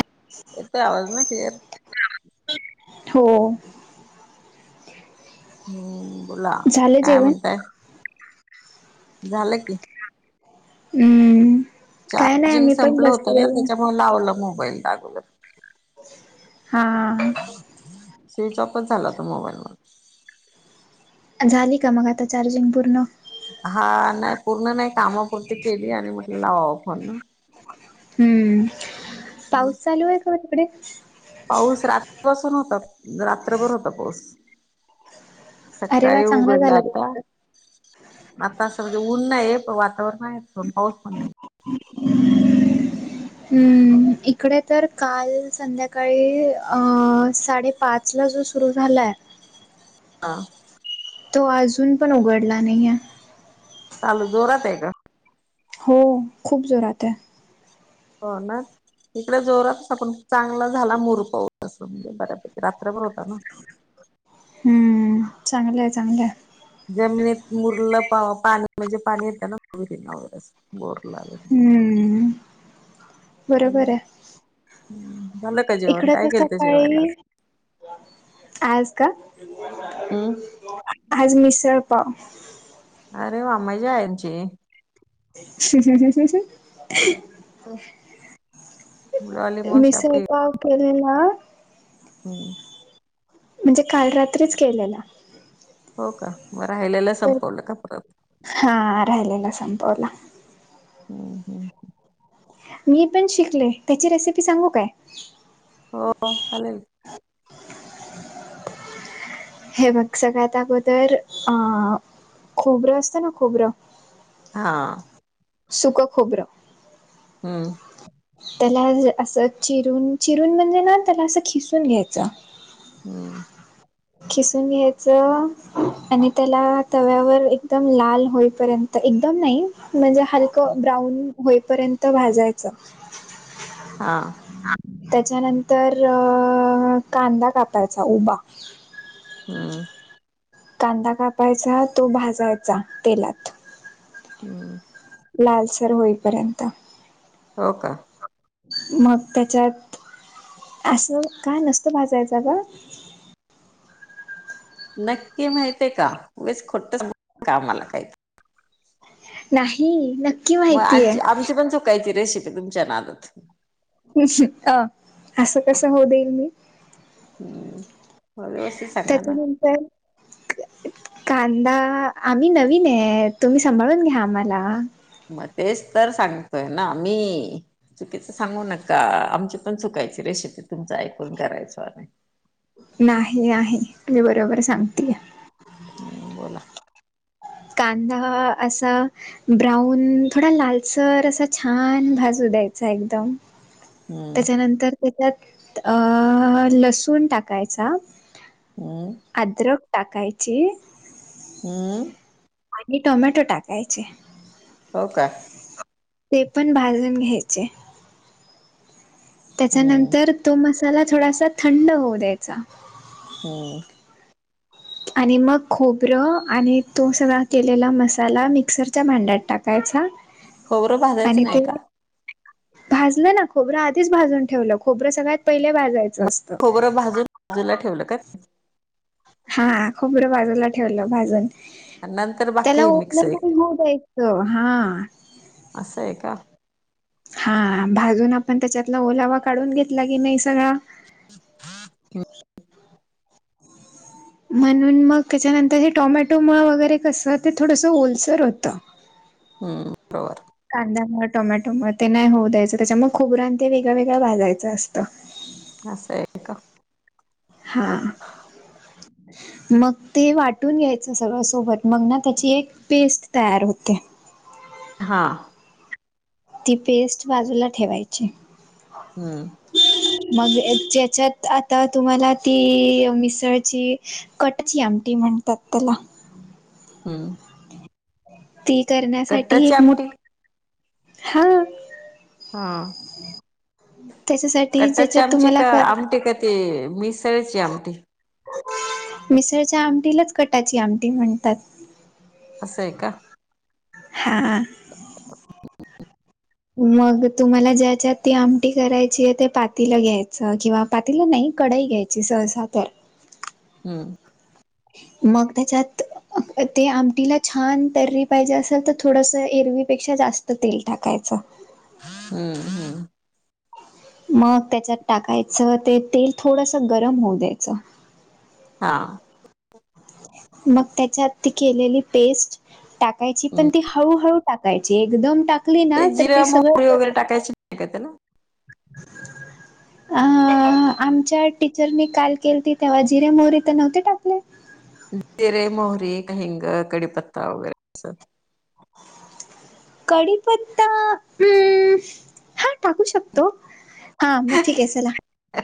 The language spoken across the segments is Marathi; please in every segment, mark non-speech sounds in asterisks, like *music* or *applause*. *inaudible* येतोय आवाज ना क्लिअर? हो. हम्म बोला झालं काय जेवण म्हणताय? झालं की. हम्म काय नाही चार्जिंग मी पण संपलं होतं बसलोय. ना त्याच्यामुळे लावलं मोबाईल लागलं. *inaudible* हा. स्विच ऑफच झाला तो मोबाईल पण. झाली का मग आता चार्जिंग पूर्ण? हा नाही पूर्ण नाही कामापुरती केली आणि म्हटलं लावावं फोन. हम्म, पाऊस चालू आहे का तिकडे? पाऊस रात्रीपसून होता रात्रभर होता पाऊस. *inaudible* अरे वा सकाळी चांगला उघडला झाला आता. तुमचं. आता असं म्हणजे ऊन नाही वातावरण आहे पण पाऊस पण नाही. *inaudible* इकडे तर काल संध्याकाळी साडे पाचला जो सुरू झालाय. हा. तो अजून पण उघडला नाही आहेे. चालू जोरात आहे का? हो खूप जोरात आहे. हो ना? इकडे जोरातच पण चांगला झाला मोर पाऊस अस म्हणजे बऱ्यापैकी रात्रभर होता ना. हम्म चांगलंय चांगलंय. जमिनीत मुरलं प-पाणी म्हणजे पाणी येत ना व बोरला. हम्म बरोबर आहे. हम्म, झालं का जेवण? इकडे काय तर केलत जेवायला सकाळी आज? आज का? *inaudible* आज मिसळ पाव. अरे वाह! मजा आहे मची. *inaudible* डॉली *inaudible* मावशी मिसळ आपली पाव केलेला. हम्. म्हणजे काल रात्रीच केलेला. हो का? मग राहिलेला तर संपवलं का परत? हा राहिलेला संपवला. हम् हम्. मी पण शिकले, त्याची रेसिपी सांगू काय? हो चालेल. त *inaudible* हे बघ सगळ्यात अगोदर, खोबरं असतं ना खोबरं. हा सुख खोबरं हम त्याला असं चिरून चिरून म्हणजे ना त्याला असं खिसून घ्यायचं. हम्म खिसून घ्यायचं. आणि त्याला तव्यावर एकदम लाल होईपर्यंत एकदम नाही म्हणजे हलकं ब्राऊन होईपर्यंत भाजायचं. हा त्याच्यानंतर अ कांदा कापायचा उभा. हम्म कांदा कापायचा तो भाजायचा तेलात. हम्म लालसर होईपर्यंत. हो का मग त्याच्यात असं काय नसतं भाजयच ग. नक्की माहित आहे का, उगच खोटच सांगु नका आम्हाला काहीतरी, नाही. मग माहितीय आमची, आमची पण चुकायची रेसिपी तुमच्या नादात. अ असं कसं होऊ देईल मी. हम् त्याच्यानंतर कांदा, आम्ही नवीन आहे तुम्ही सांभाळून घ्या आम्हाला. मग तेच तर सांगतोय ना मी, चुकीचं सांगु नका, आमची पण चुकायची रेसिपी तुमच ऐकून करायच आणि. नाही आहे मी बरोबर सांगतेय. हम्म बोला कांदा असा ब्राऊन थोडा लालसर असा छान भाजू द्यायचा एकदम. हम्म त्याच्यानंतर त्याच्यात अ लसूण टाकायचा. हम्म अद्रक टाकायची हम्म आणि टोमॅटो टाकायचे. हो का ते पण भाजून घ्यायचे. हम्म त्याच्यानंतर तो मसाला थोडासा थंड होऊ द्यायचा. हम्म आणि मग खोबरं आणि तो सगळा केलेला मसाला मिक्सरच्या भांड्यात टाकायचा. खोबरं भाजायचं आणि ते नाही का? भाजलं ना खोबरं आधीच भाजून ठेवलं खोबरं सगळ्यात पहिले भाजायचं असतं. खोबरं भाजून भाजूला ठेवलं का? हा खोबरं बाजूला ठेवलं भाजून. आणि नंतर बाकी त्याला हे *unintelligible* मिक्स आहे नाही हो जायचं हा असं आहे का हा भाजून आपण त्याच्यातला ओलावा काढून घेतला की नाही सगळा. ह *inaudible* म्हणून मग त्याच्यानंतर हे टोमॅटो मग वगैरे कसं ते थोडंसं ओलसर होतं. हम् बरोबर. कांद्या ना टोमॅटो ना ते नाही होऊ द्यायचं त्याच्यामुळे खुबरण ते वेगळं वेगळं भाजायचं असतं. असंय हा मग ते वाटून घ्यायचं सगळं सोबत मग ना त्याची एक पेस्ट तयार होते. हां हा ती पेस्ट बाजूला ठेवायची. हम्म ह *inaudible* मग ज्याच्यात आता तुम्हाला ती मिसळची कटची आमटी म्हण ततला *inaudible* हम्म ती करण्यासाठी कट्टाची एक मो आमटी हा हा त्याच्यासाठी कट्टाची ज्याच्यात आमची तुम्हाला का आमटी का ते मिसळच आमटी. मिसळच्या आमटीलाच कटाची आमटी म्हणतात. असं आहे का हां *inaudible* मग तुम्हाला ज्यांच्यात ती आमटी करायची आहे ते पातीला घ्यायचं किंवा पातीला नाही कढई घ्यायची. जी सण जातय *inaudible* हम्म मग त्यांच्यात. ते आमटीला छान तर्री पाहिजे असेल तर थोडंसं एरवीपेक्षा जास्त तेल टाकायचं. हम्म हम्म मग त्याच्यात टाकायचं ते तेल थोडस गरम होऊ द्यायचं. हा मग त्याच्यात ती केलेली पेस्ट. टाकायची पण हम्म ती हळूहळू टाकायची एकदम टाक ते जिरा मोहरी वगैरे टाकायची नाही का त्यात. *inaudible* अ आमच्या टीचरने काल केलत तेव्हा जिरे मोहरी तर नव्हती टाकले. जिरे, मोहरी, हिंग, कडीपत्ता वगैरे अस *inaudible* कडीपत्ता हा टाकू शकतो. हा मग ठीक आहे चल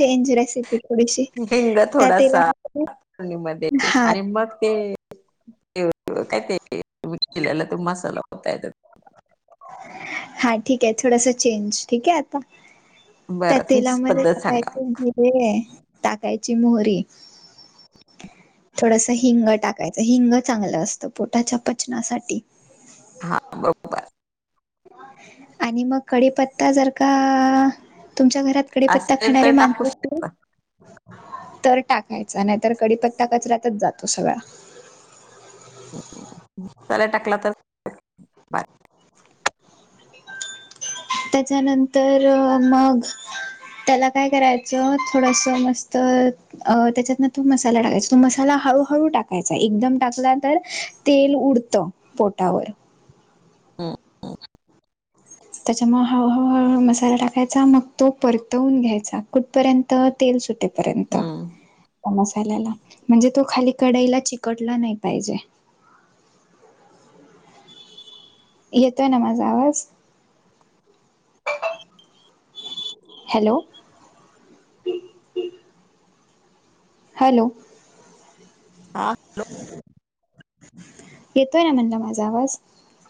चेंज रेसिपी. थोडीशी हिंग त्या थोडासा तेलामध्ये फोडणीमध्ये हा आणि मग ते आणि मग ते काय मिकलेला तुम मसाला ता येत *inaudible* हा ठीक आहे थोडासा चेंज ठीक आहे आता. त्या बरं तुमचीच तेलामध्ये पद्धत सांगा टाकायचे जर, टाकायची मोहरी. थोडस हिंग टाकायचं हिंग चांगलं असतं पोटाच्या पचनासाठी. हा बर. आणि मग कडीपत्ता जर का तुमच्या घरात कढीपत्ता असेल खाणारे तर टाकू माणस आहेत. *inaudible* तर टाकायचा नाहीतर कडीपत्ता कचऱ्यातच जातो सगळा. *inaudible* पहिला टाकला तर? बार. त्याच्यानंतर मग त्याला काय करायचं थोडस मस्त अ त्याच्यातन तो मसाला टाकायचा तो मसाला हळूहळू टाकायचा एकदम टाकला तर तेल उडत पोटावर. हम् हम्. त्याच्यामुळ हळहळू हळू मसाला टाकायचा मग तो परतवून घ्यायचा कुठपर्यंत तेल सुटेल पर्यंत हम्म मसाल्याला म्हणजे तो खाली कडाईला चिकटला नाही पाहिजे. येतोय ना माझा आवाज? *inaudible* हॅलो! हॅलो! *inaudible* हा ये तोय ना म्हणला माझा आवाज?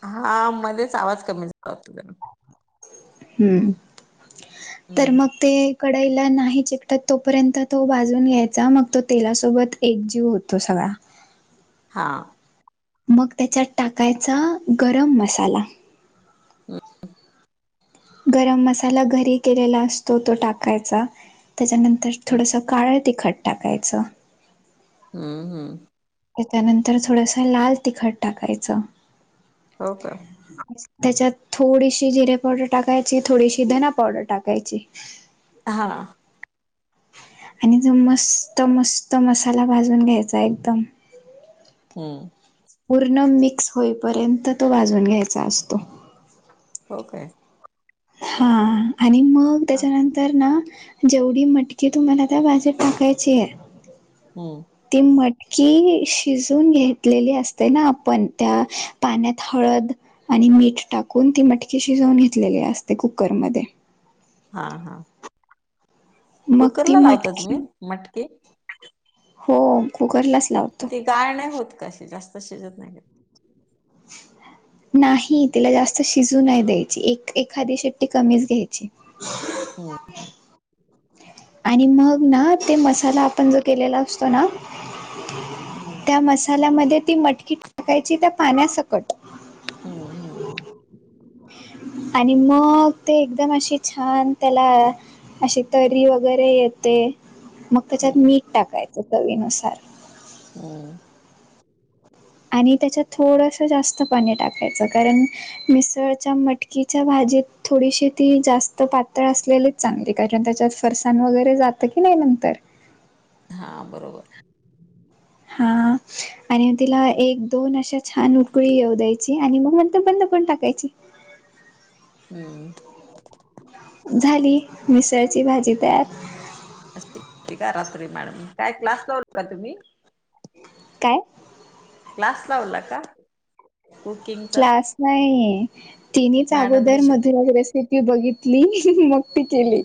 हा मध्येच आवाज कमी झाला होता. हम्म *inaudible* तर हम्म मग ते कडाईला नाही चिकटत तोपर्यंत तो भाजून घ्यायचा मग तो तेलासोबत एकजीव होतो सगळा. हा. मग त्याच्यात टाकायचा गरम मसाला. हम् *inaudible* गरम मसाला घरी केलेला असतो तो टाकायचा. त्याच्यानंतर थोडंसं काळं तिखट टाकायचं. हम्म हम्म. त्याच्यानंतर थोडसं लाल तिखट टाकायचं. हो का? त्याच्यात थोडीशी जिरे पावडर टाकायची, थोडीशी धना पावडर टाकायची. *inaudible* हा. *inaudible* आणि तो मस्त मस्त मसाला भाजून घ्यायचा एकदम. हम्. पूर्ण मिक्स होईपर्यंत तो भाजून घ्यायचा असतो. हो काय? हा आणि मग हा. त्याच्यानंतर ना जेवढी मटकी तुम्हाला त्या भाजू टाकायची आहे. हम्. ती मटकी शिजून घेतलेली असते ना आपण त्या पाण्यात हळद आणि मीठ टाकून ती मटकी शिजवून घेतलेली असते कुकरमध्ये. हा हा. मग ती कुकरला लावता मटकी तुम्ही मटकी *inaudible* हो कुकरलाच लाव ती गाळ नाही होत काय अशी जास्त शिजत नाही? नाही तिला जास्त शिजू नाही द्यायची. एक एखादी शेट्टी कमीच घ्यायची. हम्म. आणि मग ना ते मसाला आपण जो केलेला असतो ना. हम्म. त्या मसाल्यामध्ये ती मटकी टाकायची त्या पाण्यासकट. हम् हम् हम्. आणि मग ते एकदम अशी छान त्याला अशी तरी वगैरे येते, मग त्याच्यात हम्म मीठ टाकायचं चवीनुसार. हम्. आणि त्याच्यात थोडंसं जास्त पाणी टाकायचं कारण मिसळच्या मटकीच्या भाजीत थोडीशी ती जास्त पातळ असलेली चांगली कारण त्याच्यात फरसाण वगैरे जातं की नाही नंतर. हां बरोबर. *inaudible* हा. आणि तिला एक-दोन अशा छान उकळी येऊ द्यायची. आणि मग नंतर बंद पण टाकायची. हम्म. झाली मिसळची भाजी तयार. ति काय रात्री मॅडम. काय क्लासला होता तुम्ही? *inaudible* काय? क्लास लावला का? कुकिंगचा क्लास नाही तिनेच मॅडमने अगोदर शिक मधुराज रेसिप ती बघितली मग ती केली.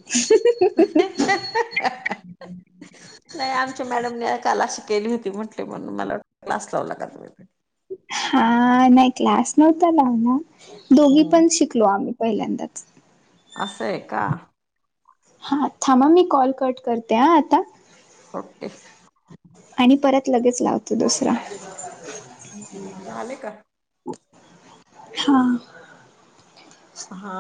*inaudible* *inaudible* नाही आमच्या मॅडमने क्लास केली होती म्हटले म्हणून मला क्लास लावला त्या. हा नाउ क्लास नव्हता लावलं, दोघी हम्म पण शिकलो आम्ही पहिल्यांदाच. असंय का? हां थांबा मी कॉल कट करते हा आता. ओके. आणि परत लगेच लावतो दुसरा. ह् झाले का? *inaudible* हा. हा.